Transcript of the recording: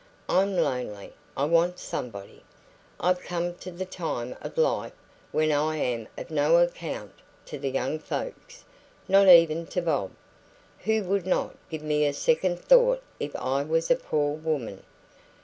I'm lonely. I want somebody. I've come to the time of life when I am of no account to the young folks not even to Bob, who would not give me a second thought if I was a poor woman.